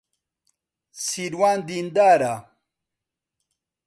سیروان دیندار نییە.